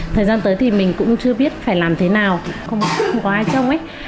thời gian tới thì mình cũng chưa biết phải làm thế nào không có ai chung ấy